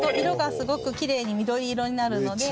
色がすごくきれいに緑色になるので。